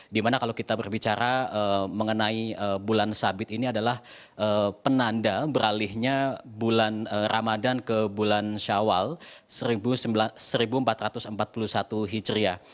dimana kalau kita berbicara mengenai bulan sabit ini adalah penanda beralihnya bulan ramadan ke bulan syawal seribu empat ratus empat puluh satu hijriah